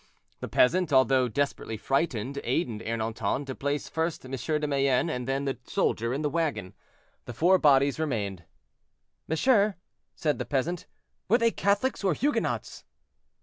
The peasant, although desperately frightened, aided Ernanton to place first M. de Mayenne and then the soldier in the wagon. The four bodies remained. "Monsieur," said the peasant, "were they Catholics or Huguenots?"